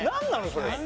それ。